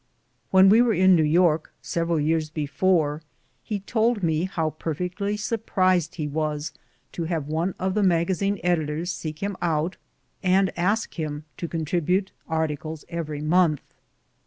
When we w^ere in New York, several years before, he told me how per fectly surprised he was to have one of the magazine editors seek him out and ask him to contribute articles every month.